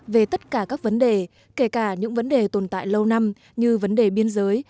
về tất cả các vấn đề kể cả những vấn đề tồn tại lâu năm như vấn đề biên giới